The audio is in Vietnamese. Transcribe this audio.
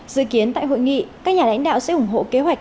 dự kiến tại hội nghị các nhà lãnh đạo sẽ ủng hộ kế hoạch